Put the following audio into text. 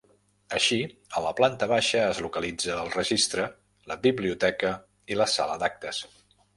Així, a la planta baixa es localitza el registre, la biblioteca i la sala d'actes.